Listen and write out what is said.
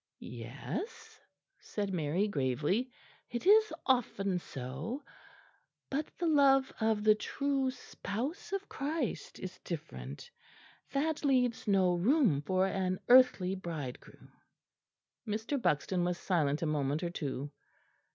"Yes," said Mary gravely, "it is often so but the love of the true spouse of Christ is different. That leaves no room for an earthly bridegroom." Mr. Buxton was silent a moment or two.